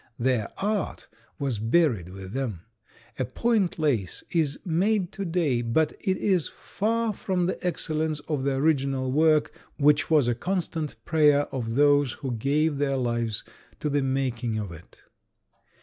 Their art was buried with them. A point lace is made to day, but it is far from the excellence of the original work, which was a constant prayer of those who gave their lives to the making of it.